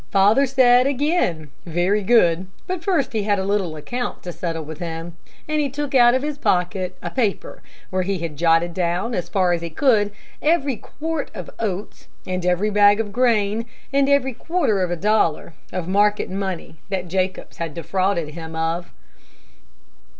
"Father said again, very good, but first he had a little account to settle with him, and he took out of his pocket a paper, where he had jotted down, as far as he could, every quart of oats, and every bag of grain, and every quarter of a dollar of market money that Jacobs had defrauded him of.